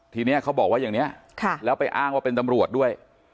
ทีนี้เขาบอกว่าอย่างนี้แล้วไปอ้างว่าเป็นตำรวจด้วย